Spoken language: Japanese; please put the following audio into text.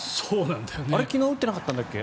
あれ、昨日打ってなかったっけ？